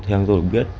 theo anh tôi cũng biết